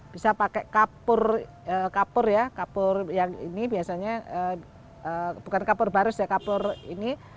bisa pakai kapur kapur ya kapur yang ini biasanya bukan kapur barus ya kapur ini